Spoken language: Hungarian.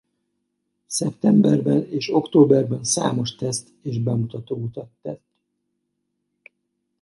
Szeptemberben és októberben számos teszt- és bemutató utat tett.